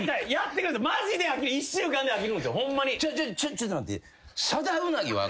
ちょっと待って。